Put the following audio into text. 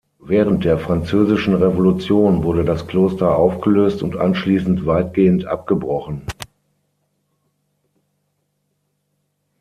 Während der Französischen Revolution wurde das Kloster aufgelöst und anschließend weitgehend abgebrochen.